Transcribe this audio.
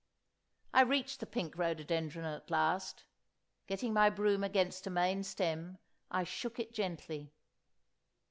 I reached the pink rhododendron at last. Getting my broom against a main stem, I shook it gently.